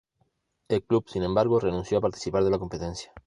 El club, sin embargo, renunció a participar de la competencia.